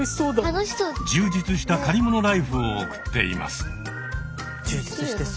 充実した借りものライフを送っています。